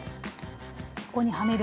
ここにはめる？